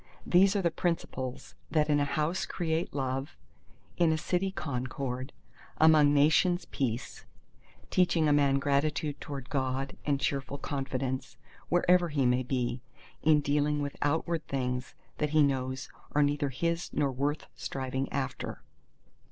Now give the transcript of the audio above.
These are the principles that in a house create love, in a city concord, among nations peace, teaching a man gratitude towards God and cheerful confidence, wherever he may be, in dealing with outward things that he knows are neither his nor worth striving after.